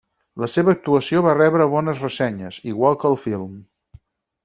La seva actuació va rebre bones ressenyes, igual que el film.